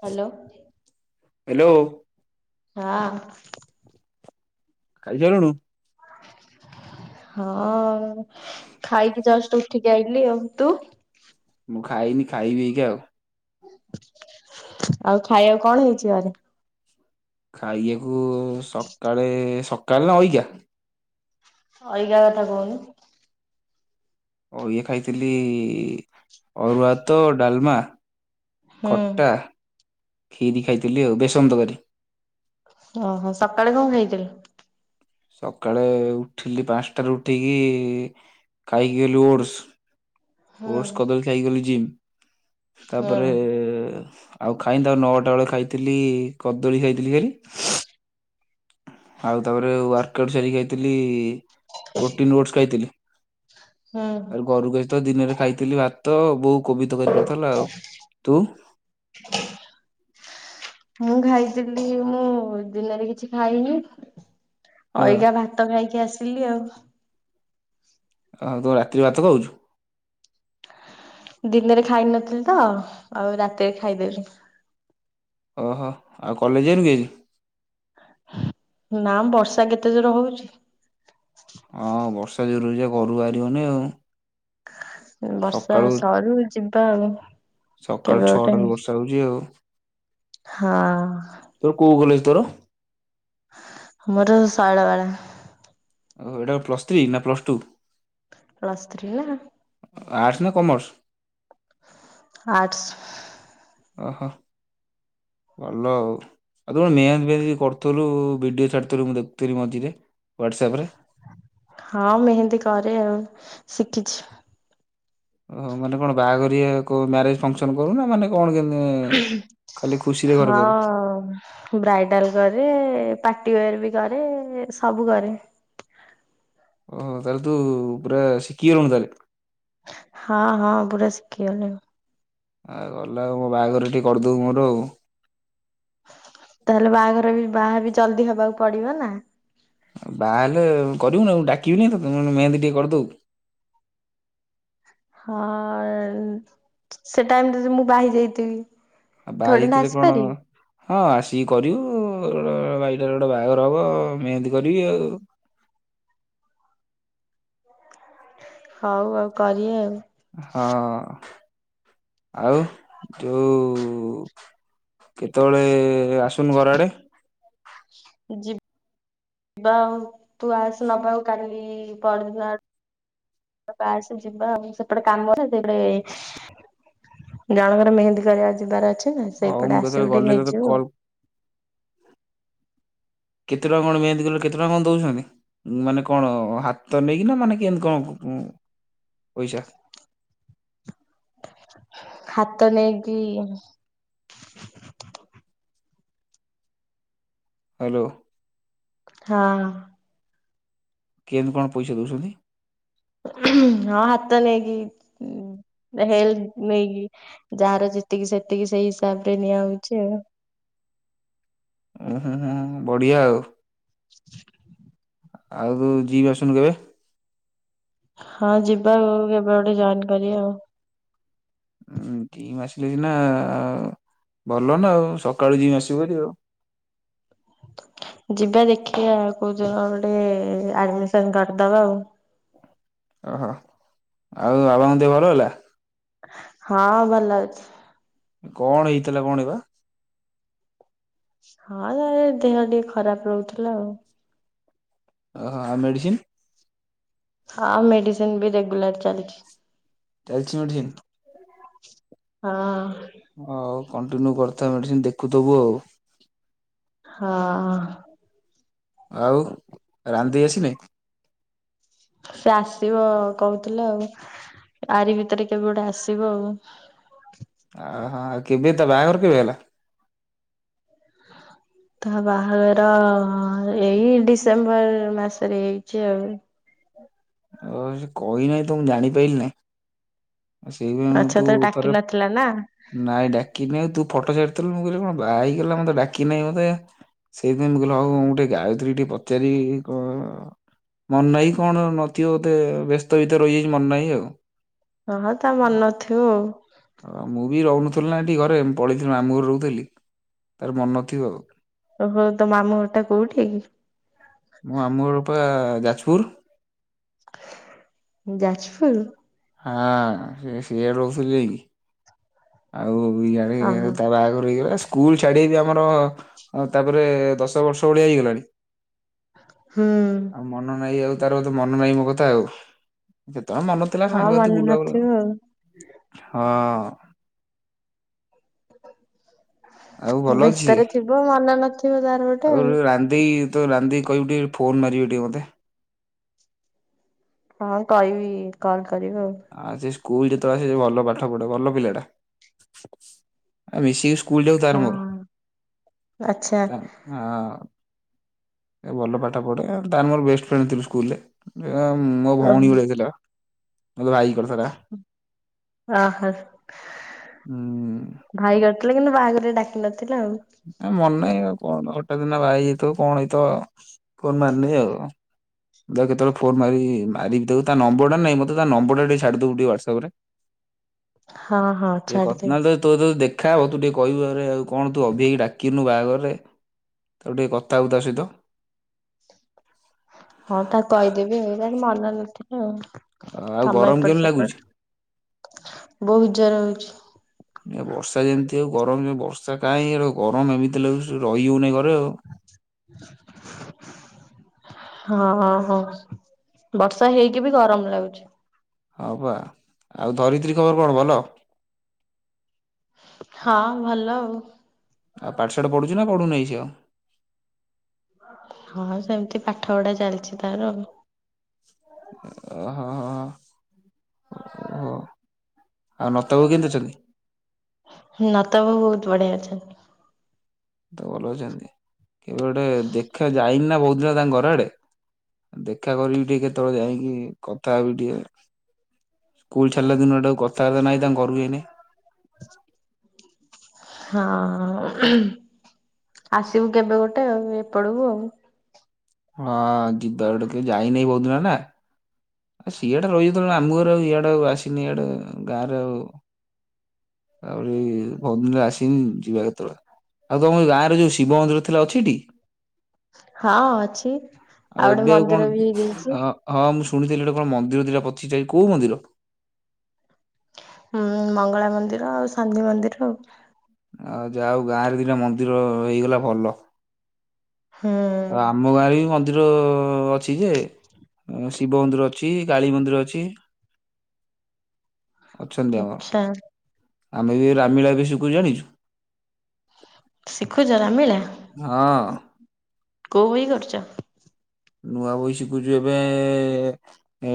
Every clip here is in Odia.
ହାଲୋ। ହେଲୋ। ହଁ। ଖାଇ ସାଇଲୁଣୁ? ହଁ ଖାଇକି ଜଷ୍ଟ ଉଠିକି ଆଇଲିି ଆଉ ତୁ? ମୁଁ ଖାଇନି ଖାଇବି ଏଇକା। ଆଉ ଖାଇବାକୁ କଣ ହେଇଚି ଘରେ? ଖାଇବାକୁ ସକାଳେ ସକାଳେ ନା ଅଇକା? ଏଇକା କଥା କହୁନୁ? ଓ ଇଏ ଖାଇଥିଲି ଅରୁଆତ ଡାଲମା। ଖଟା ହୁଁ କ୍ଷୀରି ଖାଇଥିଲି ଆଉ ବେସନ ତରକାରି। ଓହୋ ସକାଳେ କଣ ଖାଇଥିଲୁ? ସକାଳେ ଉଠିଲି ପାନସାଟାରୁ ଉଠିକି ଖାଇକି ଗଲି ଓଡସ। ହୁଁ ଓଡସ କଦଳ ଖାଇଗଲି ଜିମ୍। ହୁଁ ତାପରେ ଆଉ ଖାଇନି ତା ପରେ ନଅଟା ବେଳେ ଖାଇଥିଲି କଦଳୀ ଖାଇଥିଲି ଖାଲି। ଆଉ ତାପରେ ୱାର୍କ କରିସାରିକି ଖାଇଥିଲି ପ୍ରୋଟିନ୍ ଓଡସ୍ ଖାଇଥିଲି। ହୁଁ ତାପରେ ଘରୁକୁ ଆସିବ ତ ଦିନରେ ଖାଇଥିଲି ଭାତ ବୋଉ କୋବି ତରକାରୀ କରିଥିଲା ଆଉ ତୁ? ମୁଁ ଖାଇଥିଲି ମୁଁ ଦିନରେ କିଛି ଖାଇନି। ହଁ ଅଇଗା ଭାତ ଖାଇକି ଆସିଲି ଆଉ। ଓ ତୁ ରାତିି ରେ ଭାତ ଖାଉଚୁ? ଦିନରେ ଖାଇ ନଥିଲି ତ ଆଉ ରାତିରେ ଖାଇଦେଲି। ଓହୋ ଆଉ କଲେଜ ଯାଇନୁ କି ଆଜି? ନା ବର୍ଷା କେତେ ଜୋରେ ହଉଚି? ହଁ ବର୍ଷା ଜୋରେ ହଉଚି ପା ଘରୁ ବାହାରିହଉନି ଆଉ। ବର୍ଷା ସକାଳୁ ସରୁ ଯିବା ଆଉ। ସକାଳ କେବେ ଗୋଟେ ଛଅଟା ରୁ ବର୍ଷ ହଉଚି ଆଉ ହଁ ତୋର କୋଉ କଲେଜ୍? ତୋର? ମୋର ଶୈଳବାଳା। ଓ ଏଇଟା ପ୍ଲସ୍ ଥ୍ରୀ ନା ପ୍ଲସ୍ ଟୁ? ପ୍ଲସଥ୍ରୀ ହେଲା। ଆଟ୍ସେ ନା କମର୍ସ? ଆର୍ଟସ୍। ଓହୋ ଭଲ ଆଉ। ଆଉ ତୁ ପା ମେହେନ୍ଦି ଫେହେନ୍ଧି କରିୁଥିଲୁ ଭିଡିଓ ଛାଡିଥିଲୁ ମୁଁ ଦେଖୁଥିଲି ମଝିରେ। ହ୍ୱାଟ୍ସଆପ ରେ ହଁ ମେହେନ୍ଦୀ କରେ ଆଉ ସିକିଚି। ହଉ ମାନେ କଣ ବାହାଘରିଆ କୋଉ ମ୍ୟାରେଜ ଫଙ୍କସନ କରୁନା ନା ମାନେ କଣ କେମିତି? ଖାଲି ଖୁସିରେ ଘର କରୁ? ହଁ ବ୍ରାଇଡାଲ କରେ ପାଟି ୱେର ବି କରେ ସବୁ କରେ। ଓହୋ ତାହେଲେ ତୁ ପୁରା ସିକିଗଲୁଣି ତାହଲେେ? ହଁ ହଁ ପୁରା ଶିଖିଗଲିଣି । ଆଉ ଅଲଗା ଆଉ ମୋ ବାହାଘର ଟିକେ କରିଦବୁ ମୋର ଆଉ । ତାହେଲେ ବାହାଘର ବି ବାହା ବି ଜଲଦି ହବାକୁ ପଡିବ ନା? ବାହା ହେଲେ କରିବୁନି ଡାକିବି କାହ୍ନିକି ତତେ ତ୍ମେହେନ୍ଦୀ ଟିକେ କରିଦବୁ । ହଁ ସେ ଟାଇମିରେ ଜଦି ମୁଁ ବାହା ହୋଇଯାଇଥିବି ଆଉ ବାହା ହେଇଥିଲେ କଣ ହଁ ଆସିକି କରିବୁ । ତୋର ଭାଇଟାର ଗୋଟେ ବାହାଘର ହବ ଆ ମେହେନ୍ଦି କରିବି ଆଉ । ହଉ ଆଉ କରିବା ଆଉ ହଁ । ଆଉ ଯୋଉ କେତେବେଳେ ଆସୁନୁ ଘର ଆଡେ ଯିବି। ଯିବା ଆଉ ତୁ ଆସ ନବାକୁ କାଲି ପରଦିନ ଆଡ଼କୁ ପାସେ ଓଯିବା ଆଉ ସେପଟେ କାମ ସେପଟେ ଜଣଙ୍କର ମେହେନ୍ଦୀ କରିବାକୁ ଯିବାର ଅଛି ନା ହଉ ସେଇପଟେ ମୁଁ କେତେବେଳେ ଆସିବୁ ଟିକେ ଗଲେ ତତେ ନେଇଯିବୁ ଆଉ କଲ୍ କେତେ ଟଙ୍କା କଣ ମେହେନ୍ଦି କଲେ କେତେ ଟଙ୍କା କଣ ଦଉଛନ୍ତି? ମାନେ କଣ ହାତ ନେଇକିନା ମାନେ କେମତି କଣ ପଇସା ହାତ ନେଇକି ହାଲୋ ହଁ । କେନତି କଣ ପଇସା ଦଉଛନ୍ତି? ହଁ ହାତ ନେଇକି ହେଲ୍ପ ନେଇକି ଯାହାର ଯେତିକି ସେତିକି ସେଇ ହିସାବ ରେ ନିଆହଉଛି ଆଉ ଓ ହଁ ହୁଁ ହୁଁ ବଢିଆ ଆଉ ଆଉ ଯିବି ଆସୁନୁ କେବେ ହଁ ଯିବାଆଉ କେବେ ଗୋଟେ ଜଣ୍ଟେ କରିବା ଆଉ ଉଁ କିମି ମାସିଲେ ସିନା ଭଲ ନା ଆଉ ସକାଳୁ ଜିମି ଆସିବୁ ହାରି । ଯିବା ଦେଖିବା କୋଉଦିନ ଗୋଟେ ଆଡମିସନ କରିଦବା ଆଉ । ଓହୋ ଆଉ ବାବାଙ୍କ ଦେହ ଭଲ ହେଲା? ହଁ ଭଲ ଅଛି । କଣ ହେଇଥିଲା କଣିବା ହଁ ତା ଦେହ ଟିକେ ଖରାପ ରହୁଥିଲା ଆଉ ଓହୋ ମେଡିସିନ୍? ହଁ ମେଡିସିନ ବି ରେଗୁଲାର ଚାଲିଛି । ଚାଲିଛି ମେଡ଼ିସିନ୍? ହଁ। ହଉ କଣ୍ଟିନ୍ୟୁ କରୁଥା ମେଡିସିନ ଦେଖୁଥବୁ ଆଉ ହଁ । ଆଉ ରାନ୍ଧି ଆସିନି ସେ ଆସିବ କହୁଥିଲେ ଆଉ। ଆରିି ଭିତରେ କେବେ ଗୋଟେ ଆସିବ ଆଉ ଓହୋ ଆଉ କେବେ ତା ବାହାଘର କେବେ ହେଲା? ତା ବାହାଘର ଏଇ ଡିସେମ୍ବର ମାସରେ ହେଇଚି ଆଉ। ଓ ସେ କହିନାହିଁ ତୁ ମୁଁ ଜାଣିପାରିଲି ନାଇ। ଆ ସେଇପାଇଁ ମୁଁ ଆଚ୍ଛା ତୁ ତ ଡାକି ଥରେ ନଥିଲା ନା ନାଇଁ ଡାକିନ ତୁ ଫଟୋ ଛାଡି ମୁଁ କହିଲି କଣ ବାହା ହେଇଗଲା ମତେ ଡାକି ନାହିଁ ମୋତେ। ସେଇପାଇଁ କହିଲ ଆଉ ମୁ ଟିକେ ଗାୟତ୍ରୀକୁ ଟିକେ ପଚାରି କଣ ମନ ନାହିଁ କଣ କି ବୋଧେ ବ୍ୟସ୍ତ ଭିତରେ ରହିଯାଇଚି ମନ ନାହିଁ ଆଉ। ହଁ ତା ମନ ନଥିବ ଆଉ। ହ ମୁଁ ବି ରହୁନଥିଲି ନା ଏଠି ଘରେ ପଳେଇଥିଲି ମାମୁଁ ଘରେ ରହୁଥିଲି ତାର ମନ ନଥିବ ଆଉ। ଓହୋ ତୋ ମାମଁ ଘରଟା କୋଉଠି କି? ମୁଁ ଆମ ଘର ପା ଯାଜପୁର। ଯାଜପୁର। ଆଁ ସେ ସିଆଡେ ରହୁଥିଲି ଯାଇକି ଆଉ ଦୁଇ ଜାଣି ଓହୋ ତାର ବାହାଘର ହେଇଗଲା। ସ୍କୁଲ ଛାଡି ବି ଆମର ତାପରେ ଦଶ ବର୍ଷ ଭଳିଆ ହେଇଗଲାଣି। ହୁଁ। ଆଉ ମନ ନାହିଁ ଆଉ ତାରେ ବୋଧେ ମନ ନାହିଁ ମୋ କଥା ଆଉ। ଯେତେବେଳେ ମନ ଥିଲା ହଁ ସାଙ୍ଗସଥି ମନେ ବୁଲା ବୁ ନଥିବ ଆଉ ହଁ। [inaudible] ଆଉ ଭଲ ଅଛି ବ୍ୟସ୍ତରେ ଥିବ ମନେ ନଥିବ ତା ଆଉ ରାନ୍ଧି ତ ରାନ୍ଧି କହିବୁ ଟିକେ ଫୋନ ମାରିବି ଟିକେ ମତେ। ହଁ କଇିବି କଲ କରିବ। ଆଉ ସେ ସ୍କୁଲ ଯେତେବେଳେ ଆସେ ଭଲ ପାଠ ପଢେ ଭଲ ପିଲାଟା ମିଶିକି ସ୍କୁ ସ୍କୁଲ ଯାଉ ତାର ହଁ ମୋର ଆଚ୍ଛା ତା ଆ ଭଲ ପାଠ ପଢେ ତାର ମୋର ବେଷ୍ଟ ଫ୍ରେଣ୍ଡ ଥିଲୁ ସ୍କୁଲରେ, ଏ ମୋ ଭଉଣୀ ଗୋଟେ ଥିଲା ବା ଅ ହ ହୁଁ ଭାଇଗଡ ତେବେଳେ କିନ୍ତୁ ବାହାଘର ରେ ଡାକିିନଥିଲ ମନ ନାହିଁ ଆଉ। କଣ ଅଟା ଦିନ ବାହ ହେଇ ଯାଇଥିବ କଣ ହେଇଥିବ, ଫନ ମାରିନି ଆଉ। କୁ କେତବେଳେ ଫୋନ ମାରି ମାରିବିକୁ ତା ନମ୍ବର୍ ଟା ନାହିଁ ତା ନମ୍ବର ଟା ଟିକେ ଛାଡିଦବୁ ଟେ ହ୍ୱାଟସଆପ ରେ। ହଁ ହଁ ଟି କ ଛାଡିଦେବି। ନା ତୋ ତୋ ଦେଖ ଦଖା ହବ ତୁ ଟିକେ କହିବ ଆରେ ଆଉ କଣ ତୁ ଅଭି ହେଇକି ଡାକିନୁ ବାହାଘରରେ? ତାକୁ ଟିକେ କଥା ହବୁ ତା ସହିତ। ହଁ ତା କହିଦେବି ମନ ନଥିବ ଆଉ। ଆଉ କାମ ଗରମ ଏପଟ କେମିତି ଲାଗୁଛି? ସେପଟ ବହୁତ ଜର ହଉଚି। ବର୍ଷା ଯେମିତି ଆଉ ଗରମରେ ବର୍ଷା କାହିଁ ର ଗରମ ଏମିତି ଲାଗୁଚି ରହି ହଉନାଇ ଘରେ। ଆଉ। [inaudible] ହଁ ହଁ ହଁ ବର୍ଷା ହେଇକି ବି ଗରମ ଲାଗୁଚି। ହଁ ବା ଆଉ ଧରିତ୍ରୀ ଖବର କଣ ଭଲ? ହଁ ଭଲ ଆଉ। ଆଉ ପାଠଶାଠ ପଢୁଚୁ ନା ପଢୁନାହିଁ ସେ ଆଉ? ହଁ ସେମିତି ପାଠ ପଢା ଚାଲିଚି ତାର ଆଉ। ଓହୋ ହୋ ହୋ ଓହୋ ଆଉ ନତବ କେମତି ଅଛନ୍ତି! ନ ତବ ବହୁତ ବଢିଆ ଅଛନ୍ତି। ତ ଭଲ ଅଛନ୍ତି କେବେ ଗୋଟେ ଦେଖିବା ଯାଇନି ନା ବହୁତ ଦିନ ହେଲା ତାଙ୍କ ଘର ଆଡେ। ଦେଖା କରିବି ଟିକେ କେତେବେଳେ ଯାଇକି କଥା ହେବି ଟିକେ। ସ୍କୁଲ ଛାଡିଲା ଦିନଠୁ କଥାବାର୍ତ୍ତା ନାହିଁ ତାଙ୍କ ଘରକୁ ଯାଇନି। ହଁ। ଆସିବୁ କେବେ ଗୋଟେ ଆଉ ଏପଟକୁ ଆଉ। ହଁ ଯିବା ଗୋଟେ କେବେ ଯାଇନେଇ ବହୁତ ଦିନ ହେଲା। ଆ ସିଆଡେ ରହି ଯାଉଥିଲୁ ମାମୁଁ ଘର ଆଉ ଇଆଡେ ଆଉ ଆସିନି ଇଆଡେ ଗାଁରେ ଆଉ। ତାପରେ ବି ବହୁତ ଦିନ ହେଲା ଆସିନି ଯିବା କେତେବେଳେ। ଆଉ ତମ ଗାଁରେ ଯୋଉ ଶିବ ମନ୍ଦିର ଥିଲା ଅଛିଟି? ହଁ ଅଛି। ଆଉ ଗୋଟେ ଏବେ ଆଉ ମନ୍ଦିର କଣ ବି ହେଇଯାଇଛି ହଁ ହଁ ମୁଁ ସୁ ଶୁଣିଥିଲି ଗୋଟେ କଣ ମନ୍ଦିର ଦିଟା ପଚିଷ୍ଠା ହେଇଚି କୋଉ ମନ୍ଦିର? ହୁଁ ମଙ୍ଗଳା ମନ୍ଦିର ଆଉ ଶନି ମନ୍ଦିର ଆଉ। ଆଉ ଯାହା ହଉ ଗାଁରେ ଦିଟା ମନ୍ଦିର ହେଇଗଲା ଭଲ। ହୁଁ ଆଉ ଆମ ଗାଁରେ ବି ମନ୍ଦିର ଅ-ଅଛି ଯେ। ଶିବ ମନ୍ଦିର ଅଛି, କାଳୀ ମନ୍ଦିର ଅଛି। ଅଛନ୍ତି ଆମର। ଆଚ୍ଛା। ଆମେ ବି ରାମଲୀଳା ବି ଶିଖୁଚୁ ଜାଣିଛୁ। ଶିଖୁଚ ରାମଲୀଳା ହଁ। କୋଉ ବହି କରୁଚ? ନୂଆ ବହି ଶିଖୁଚୁ ଏବେ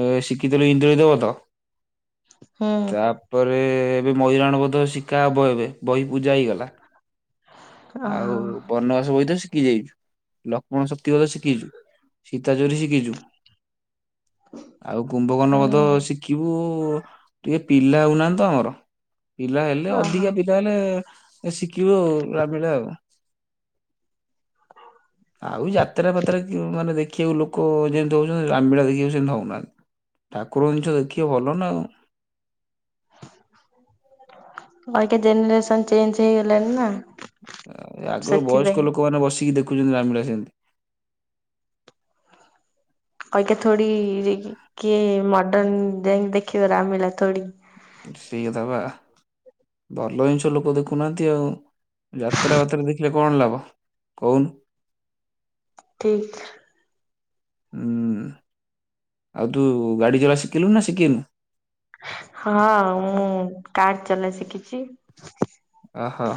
ଏ ଏ ଶିଖିଥିଲୁ ଇନ୍ଦ୍ରଜିତ ବଧ। ହୁଁ ତାପରେ ଏବେ ମଇରାବଣ ବଧ ଶିକା ହବ ଏବେ ବହି ପୂଜା ହେଇଗଲା। ଅ ଆଉ ବନବାସ ବହି ତ ଶି ଶିଖି ଯାଇଚୁ, ଲକ୍ଷ୍ମଣ ଶକ୍ତିବଧ ଶିଖିଚୁ, ସୀତାଚୋରି ଶିଖିଚୁ। ଆଉ କୁମ୍ଭକର୍ଣ୍ଣ ବଧ ହୁଁ ଶିଖିବୁ। ଉ ଟିକେ ପିଲା ହଉନାହାନ୍ତି ତ ଆମର। ପିଲା ହେଲେ ଓହୋ ଅଧିକା ପିଲା ହେଲେ ଶିଖିବୁ। ହବ। ଆଉ ଯାତ୍ରା ଫାତ୍ରା ଯୋଉ ମାନେ ଦେଖିଆକୁ ଲୋକ ଯେମତି ହଉଛନ୍ତି ରାମଲିଳା ଦେଖିବାକୁ ସେମତି ହଉନାହାନ୍ତି। ଠାକୁର ଜିନଷ ଦେଖିବେ ଭଲ ନା ଆଉ। ଅଇକା ଜେନେରେସନ ଚେଞ୍ଜ ହେଇଗଲାଣି ନା। ଏ ଆଗୁରୁ ସେଥିପାଇଁ ବୟସ୍କ ଲୋକମାନେ ବସିକି ଦେଖୁ ଦେଖୁଛନ୍ତି ରାମଲୀଳା ସେମତି। ଅଇକା ଥୋଡି [unintelligible] କିଏ ମଡର୍ନ ଦେଇ ଦେଖିବ ରାମଲୀଳା ଥୋଡି। ସେଇ କଥା ବା ଭଲ ଜିନଷ ଲୋକ ଦେଖୁନାହାନ୍ତି ଆଉ। ଯାତ୍ରା ବାତ୍ରା ଦେଖିଲେ କଣ ଲାଭ କହୁନୁ? ଠିକ। ହୁଁ ଆଉ ତୁ ଗାଡି ଚଲା ଶିଖିଲୁ ନା ଶିଖିନୁ? ହଁ ମୁଁ କାର୍ ଚଲା ଶିଖିଚି। ଓହୋ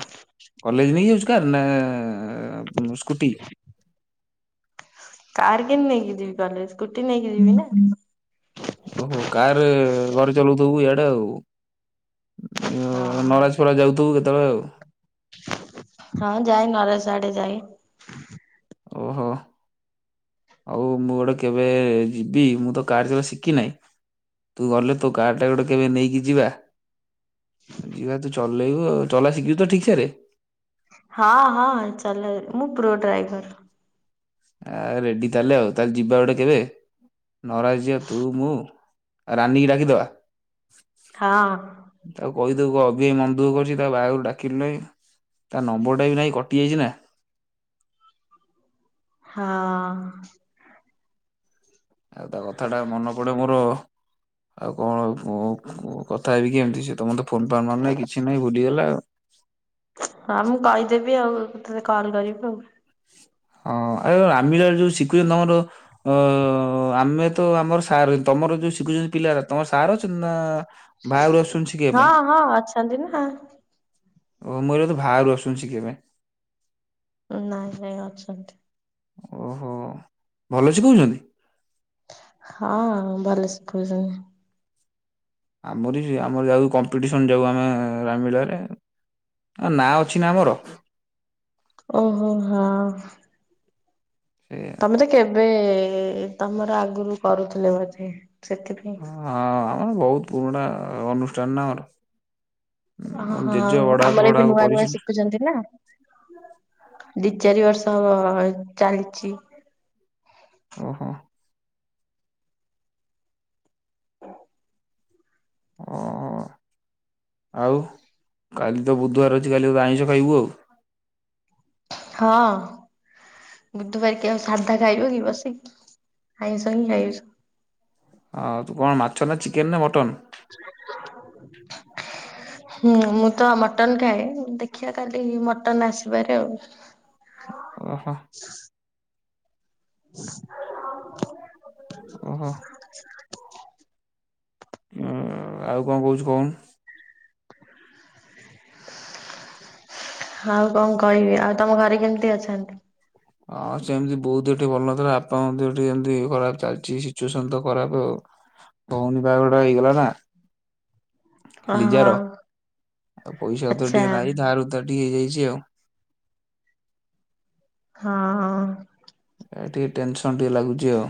କଲେଜ ନେଇକି ଯାଉଛୁ କାର ନା ଆ। କାର କେନ ନେଇକି ଯିବି କଲେଜ ସ୍କୁଟି ନେଇକି ଯିବି ନା। ଓହୋ କାର ଘରେ ଚଲଉଥିବୁ ଇଆଡେ ଆଉ। ହଁ ଉଁ ନରାଜ ଫରାଜ ଯାଉଥିବୁ କେତେବେଳେ ଆଉ। ହଁ ଯାଏ ନରାଜ ଆଡେ ଯାଏ। ଓହୋ। ଆଉ ମୁଁ ଗୋଟେ କେବେ ଯିବି, ମୁଁ ତ କାର୍ ଚଲା ଶିଖି ନାହିଁ। ତୁ ଗଲେ ତୋ କାର୍ ଟା ଗୋଟେ କେବେ ନେଇକି ଯିବା। ଯିବା ତୁ ଚଲେଇବୁ ଆଉ ଚଲା ଶିଖିଚୁ ତ ଠିକସେ ରେ। ହଁ ହଁ ଚଲାଏ ମୁଁ ପ୍ରୋ ଡ୍ରାଇଭର। ଆ ରେଡି ତାହେଲେ ଆଉ ତାହେଲେ ଯିବା ଗୋଟେ କେବେ? ନରାଜ ଯିବା ତୁ ମୁଁ ଆଉ ରାନିିକି ଡାକିଦବା? ହଁ। ଅବିକା ମନ ଦୁଖଃ କରୁଛି ତାକୁ ବାହାଘକୁ ଡାକିଲୁ ନେଇ ତା ନମ୍ବର ଟା ବି ନାଇଁ କଟି ଯାଇଛି ନା ହଁ ଆଉ ତା କଥା ଟା ମନେ ପଡେ ମୋର ଆଉ କଣ କ କ କଥା ହେବିକି ଏମିତି ସିଏ ତ ମତେ ଫୋନ ଫାନ ମାରୁନି କିଛି ନାହିଁ ଭୁଲିଗଲା ଆଉ ହଁ ମୁଁ କହିଦେବି ଆଉ ତତେ କଲ କରିବ ଆଉ ହଁ ହଁ ଆ ଆମିଲା ଯୋଉ ଶିଖୁଛନ୍ତି ତମର ଅ ଆମେ ତ ଆମର ସାର ତମର ଉ ଶିଖୁଛନ୍ତି ପିଲାରା ତମର ସାର ଅଛନ୍ତି ନା ବାହାରୁ ଆସୁଛନ୍ତି ଶିଖେଇବା ପାଇଁ ହଁ ହଁ ଅଛନ୍ତି ନା ଓ ମୁ କହିଲି ବୋଧେ ବାହାରୁ ଆସୁଛନ୍ତି ଶିଖେଇବା ପାଇଁ ନାଇଁ ନାଇଁ ଅଛନ୍ତି। ଓହୋ ଭଲ ଶିଖଉ ଛନ୍ତି। ହଁ ଭଲ ଶିଖଉଛନ୍ତି ଆମରି ଆମର ଯାଉ କମ୍ପିଟିସନ ଯାଉ ଆମେ ରାମଲିଳାରେ। ଆ ନାଁ ଅଛି ନା ଆମର। ଓହୋ ହ ସେ ତମେ ତ କେବେ ତମର ଆଗରୁ କରୁଥିଲେ ବୋଧେ। ସେଥିପାଇଁ। ହଁ ଆମର ବହୁତ ପୁରୁଣା ଅନୁଷ୍ଠାନ ନା ଆମର। ଅ ହ ଜେଜେ ବଡବାପା ଆମର ଏବେ ଫଡବାପା ନୂଆ ନୂଆ କରିଛନ୍ତି ଶିଖୁଛନ୍ତି ନା। ଦି ଚାରି ବର୍ଷ ହବ ଚାଲିଛି। ଓହୋ। ଓ ହୋ ଆଉ କାଲି ତ ବୁଧବାର ଅଛି କାଲି ବୋଧେ ଆଇଁଷ ଖାଇବୁ ଆଉ। ହଁ। ବୁଧବାର କିଏ ଆଉ ସାଧା ଖାଇବ କି ବସିକି ଆଇଁଷ ହିଁ ଖାଇବେ ସବୁ ହ ତୁ କଣ ମାଛ ନା ଚିକେନ ନା ମଟନ। [inaudible] ହୁଁ ମୁଁ ତ ମଟନ ଖାଏ ଦେଖିବା କାଲି ମଟନ ଆସିପାରେ ଆଉ। ଓହୋ। [inaudible] ଓହୋ ଆ ଆଉ କଣ କହୁଛୁ କହୁନୁ। ଆଉ କଣ କହିବି ଆଉ ତମ ଘରେ କେମିତି ଅଛନ୍ତି। ହଁ ସେମିତି ବଉ ଦେହ ଟିକେ ଭଲ ନଥିଲା ବାପାଙ୍କ ଦେହ ଟିକେ ଏମିତି ଖରାପ ଚାଲିଛି ସିଚୁଏସନ ତ ଖରାପ ଆଉ। ଭଉଣୀ ବାହାଘର ଟା ହେଇଗଲା ନା। ହଁ ହଁ ଲିଜାର ଆଉ ପଇସା ପତ୍ର ଆଚ୍ଛା ଟିକେ ନାହିଁ ଧାର ଉଦ୍ଧାର ଟିକେ ହେଇଯାଇଛି। ଝିଅଉ ହଁ ହଁ। ଏ ଟିକେ ଟେନସନ୍ ଟିକେ ଲାଗୁଛି ଆଉ।